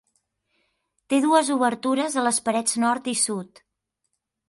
Té dues obertures a les parets nord i sud.